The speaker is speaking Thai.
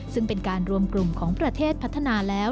ซึ่งเป็นการรวมกลุ่มของประเทศพัฒนาแล้ว